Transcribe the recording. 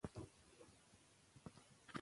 مرګ او ژوبله پکې وسوه.